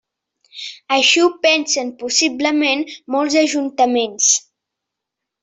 Així ho pensen possiblement molts ajuntaments.